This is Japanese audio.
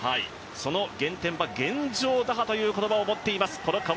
その原点は、現状打破という言葉を持っています。